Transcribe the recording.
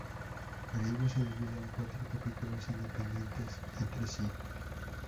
El libro se divide en cuatro capítulos independientes entre sí.